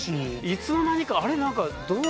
いつの間にかあれ？